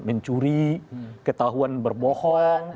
mencuri ketahuan berbohong